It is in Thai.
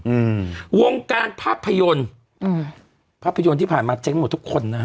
อืมวงการภาพยนตร์อืมภาพยนตร์ที่ผ่านมาเจ๊งหมดทุกคนนะฮะ